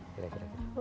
gak kira kira gitu